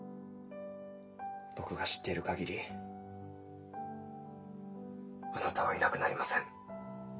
僕が知ってる限りあなたはいなくなりません。